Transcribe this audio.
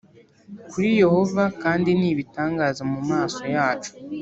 Kuri yehova kandi ni ibitangaza mu maso yacu